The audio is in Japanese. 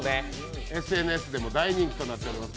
ＳＮＳでも大人気となっております。